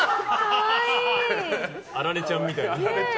アラレちゃんみたい。